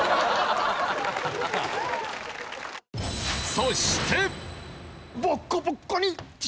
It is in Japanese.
そして。